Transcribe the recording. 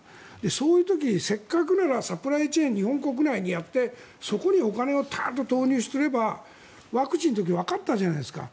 そういう時にせっかくならサプライチェーン日本国内にやってそこにお金を投入すればワクチンの時わかったじゃないですか。